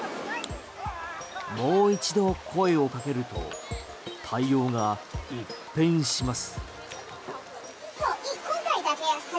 もう一度声をかけると対応が一変します。